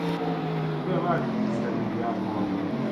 เครื่องราชอิสริยาภรณ์